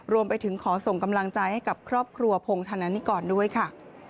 รวมไปถึงขอส่งกำลังใจให้กับครอบครัวพงธนานิกรด้วยค่ะ